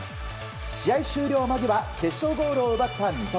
試合終了間際決勝ゴールを奪った三笘。